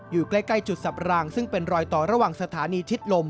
อยู่ใกล้จุดสับรางซึ่งเป็นรอยต่อระหว่างสถานีชิดลม